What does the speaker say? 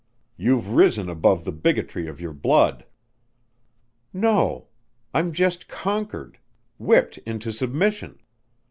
You've risen above the bigotry of your blood!" "No. I'm just conquered whipped into submission.